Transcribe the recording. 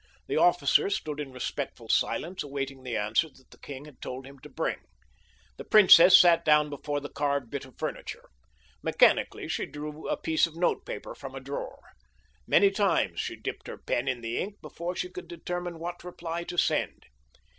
The officer stood in respectful silence awaiting the answer that the king had told him to bring. The princess sat down before the carved bit of furniture. Mechanically she drew a piece of note paper from a drawer. Many times she dipped her pen in the ink before she could determine what reply to send.